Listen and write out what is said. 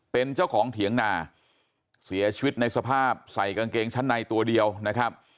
เป็นเจ้าของเถียงนาเสียชีวิตในสภาพใส่กางเกงชั้นในตัวเดียวนะครับ